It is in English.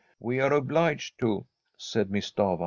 ' We are obliged to, said Miss Stafva.